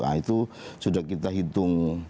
nah itu sudah kita hitung